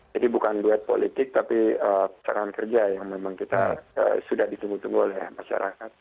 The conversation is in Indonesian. jadi bukan duet politik tapi pasangan kerja yang memang kita sudah ditunggu tunggu oleh masyarakat